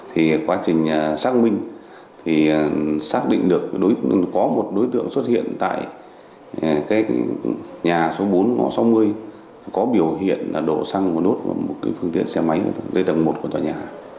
họ xác định được có một đối tượng xuất hiện tại nhà số bốn ngõ sáu mươi có biểu hiện đổ xăng nốt phương tiện xe máy về tầng một của tòa nhà